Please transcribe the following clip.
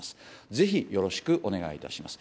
ぜひよろしくお願いいたします。